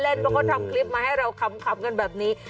เขาก็ทำคลิปมาให้เราคำกันแบบนี้